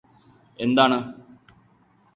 എന്താണ്